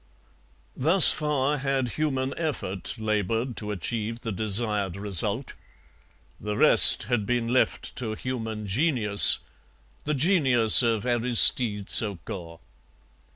Thus far had human effort laboured to achieve the desired result; the rest had been left to human genius the genius of Aristide Saucourt.